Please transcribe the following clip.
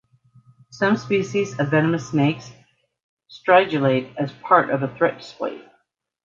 Some species of venomous snakes stridulate as part of a threat display.